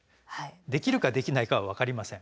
できるかできないかは分かりません。